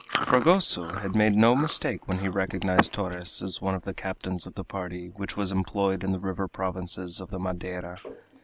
Fragoso had made no mistake when he recognized Torres as one of the captains of the party which was employed in the river provinces of the Madeira.